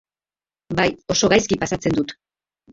Bai, oso gaizki pasatzen dut.